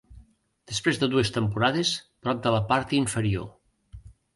Després de dues temporades prop de la part inferior.